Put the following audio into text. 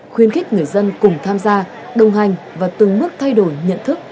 khuyên khích người dân cùng tham gia đồng hành và từng mức thay đổi nhận thức